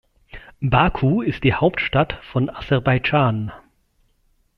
Baku ist die Hauptstadt von Aserbaidschan.